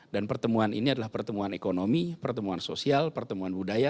dan pertemuan ini adalah pertemuan ekonomi pertemuan sosial pertemuan budaya